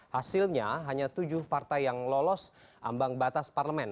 hasilnya hanya tujuh partai yang lolos ambang batas parlemen